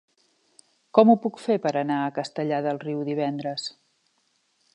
Com ho puc fer per anar a Castellar del Riu divendres?